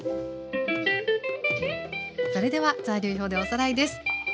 それでは材料表でおさらいです。